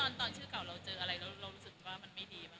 ตอนชื่อเก่าเราเจออะไรแล้วเรารู้สึกว่ามันไม่ดีบ้าง